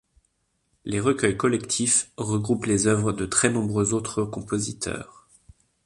Les recueils collectifs regroupent les œuvres de très nombreux autres compositeurs.